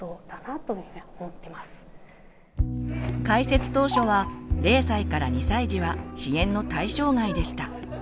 開設当初は０歳から２歳児は支援の対象外でした。